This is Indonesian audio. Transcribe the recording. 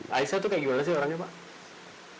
aisyah itu kayak gimana sih orangnya pak